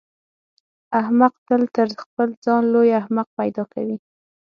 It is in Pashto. احمق تل تر خپل ځان لوی احمق پیدا کوي.